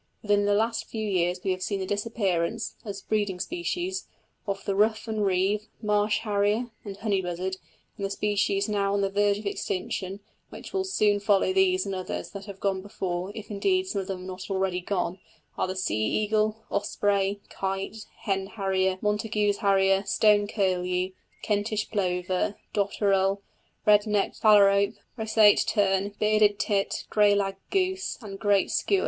Within the last few years we have seen the disappearance (as breeding species) of the ruff and reeve, marsh harrier, and honey buzzard; and the species now on the verge of extinction, which will soon follow these and others that have gone before, if indeed some of them have not already gone, are the sea eagle, osprey, kite, hen harrier, Montagu's harrier, stone curlew, Kentish plover, dotterel, red necked phalarope, roseate tern, bearded tit, grey lag goose, and great skua.